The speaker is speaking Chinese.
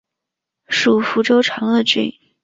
属福州长乐郡。